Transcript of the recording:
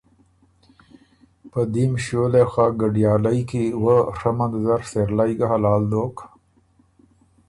په دیم شیو لې خه ګډیالئ کی وۀ ڒمند زر سېرلئ ګه حلال دوک